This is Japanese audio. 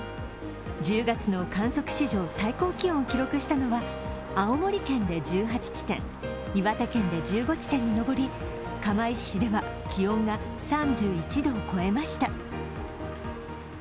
１０月の観測史上最高気温を観測したのは青森県で１８地点、岩手県で１５地点に上り、釜石市では気温が３１度を超えました。